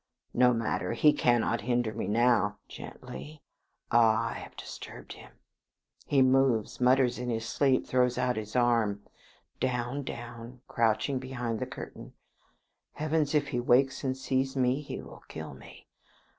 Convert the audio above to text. No matter, he cannot hinder me now. Gently! Ah! I have disturbed him. He moves, mutters in his sleep, throws out his arm. Down; down; crouching behind the curtain. Heavens! if he wakes and sees me, he will kill me.